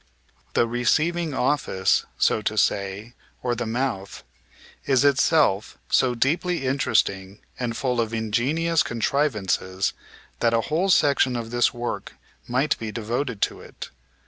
The receiving office, so to say, or the mouth, is itself so deeply interesting and full of ingenious contrivances that a whole section of this work might be devoted to it.